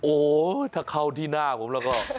โอ้โหถ้าเข้าที่หน้าผมแล้วก็